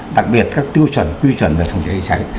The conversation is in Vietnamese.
đặc biệt các tiêu chuẩn quy chuẩn về phòng chế hệ cháy